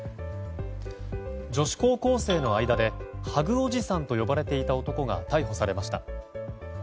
女子高校生の間でハグおじさんと呼ばれていた男が逮捕されました。